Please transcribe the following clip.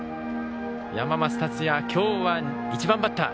山増達也、今日は１番バッター。